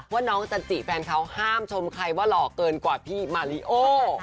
ว่าน้องจันจิแฟนเขาห้ามชมใครว่าหล่อเกินกว่าพี่มาริโอ